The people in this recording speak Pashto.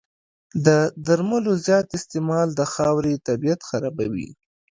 د درملو زیات استعمال د خاورې طبعیت خرابوي.